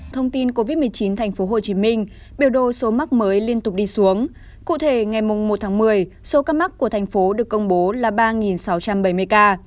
thông tin covid một mươi chín tp hcm biểu đồ số mắc mới liên tục đi xuống cụ thể ngày một tháng một mươi số ca mắc của thành phố được công bố là ba sáu trăm bảy mươi ca